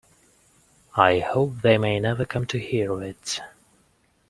I hope they may never come to hear of it.